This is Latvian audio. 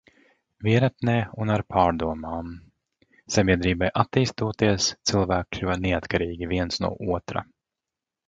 Vienatnē un ar pārdomām. Sabiedrībai attīstoties, cilvēki kļuva neatkarīgi viens no otrā.